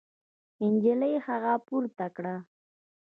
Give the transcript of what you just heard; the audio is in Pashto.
نجلۍ هغه پورته کړ.